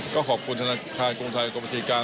ก็ขอบคุณธนาคารกรุงไทยอัตโบราชิการ